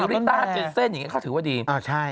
อ๋อฮะหน้าผากต้นแบบนี้อ๋อใช่